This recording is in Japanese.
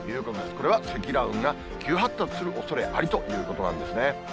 これは積乱雲が急発達するおそれありということなんですね。